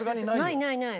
ないないない。